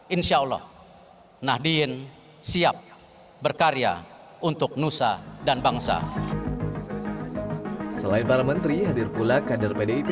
insya allah nahdien siap berkarya untuk nusa dan bangsa selain para menteri hadir pula kader pdip